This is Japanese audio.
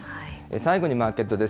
最後にマーケットです。